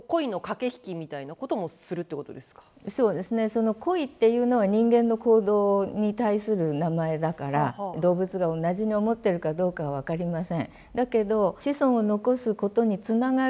その恋っていうのは人間の行動に対する名前だから動物が同じに思ってるかどうかは分かりません。